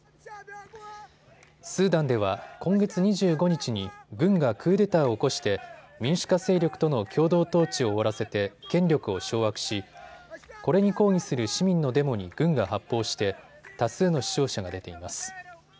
スーダンでは今月２５日に軍がクーデターを起こして民主化勢力との共同統治を終わらせて権力を掌握しこれに抗議する市民のデモに軍が発砲して多数の死傷者が出ています。